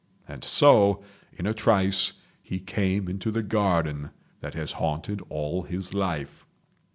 And so, in a trice, he came into the garden that has haunted all his life.